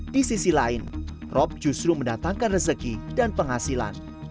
di sisi lain rob justru mendatangkan rezeki dan penghasilan